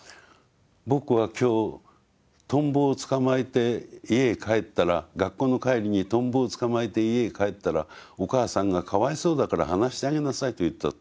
「僕は今日トンボをつかまえて家へ帰ったら学校の帰りにトンボをつかまえて家へ帰ったらお母さんがかわいそうだから放してあげなさいと言った。